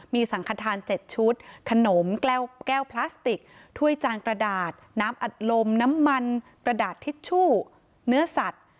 มีสังขทาน๗ชุดขนมแก้วพลาสติกถ้วยจางกระดาษน้ำอัดลมน้ำมันกระดาษทิชชู่เนื้อสัตว์